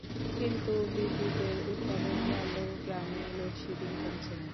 কিন্তু বিদ্যুতের উৎপাদন বাড়লেও গ্রামে লোডশেডিং কমছে না।